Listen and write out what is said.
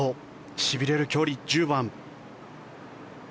しびれる距離、１０番。